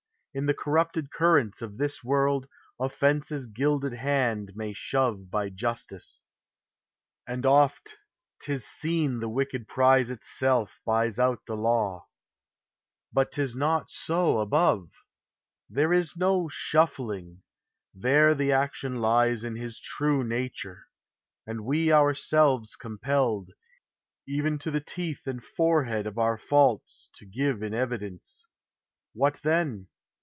In the corrupted currents of this world Offence's gilded hand may shove by justice, And oft 't is seen the wicked prize itself Buys out the law : but 't is not so above ; There is no shuffling, there the action lies PR I ) ER l \ 1> ISPIRATlON. 119 Tn his true nature; and we ourselves compelled, Even to the teeth and forehead of our faults, To eive in evidence. What then?